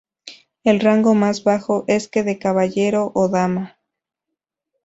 El rango más bajo es que de Caballero o Dama.